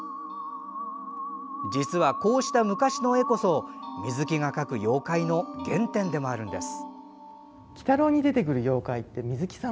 実は、こうした昔の絵こそ水木が描く妖怪の原点でもあるんです。